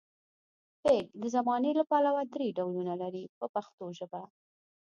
فعل د زمانې له پلوه درې ډولونه لري په پښتو ژبه.